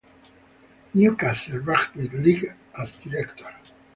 Newcastle Rugby League as Director.